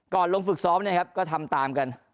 ลงฝึกซ้อมเนี่ยครับก็ทำตามกัน